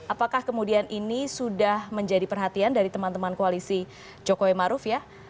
apakah kemudian ini sudah menjadi perhatian dari teman teman koalisi jokowi maruf ya